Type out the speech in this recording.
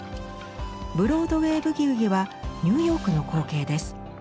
「ブロードウェイ・ブギウギ」はニューヨークの光景です。